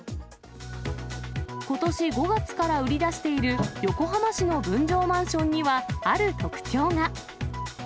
ことし５月から売り出している、横浜市の分譲マンションには、ある特徴が。